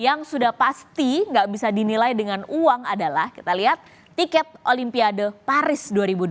yang sudah pasti nggak bisa dinilai dengan uang adalah kita lihat tiket olimpiade paris dua ribu dua puluh